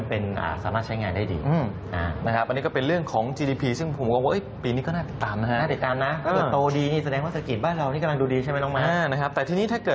ต้องจะอัปเกรดให้มันเป็นสามารถใช้งานได้ดี